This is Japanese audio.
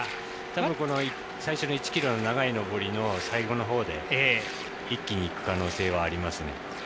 ただ、最初の１ｋｍの長い上りの最後のほうでいっきにいく可能性があります。